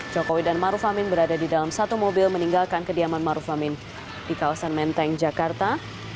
jokowi dan maruf amin berada di dalam satu mobil meninggalkan kediaman maruf amin di kawasan menteng jakarta